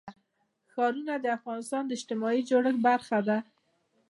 ښارونه د افغانستان د اجتماعي جوړښت برخه ده.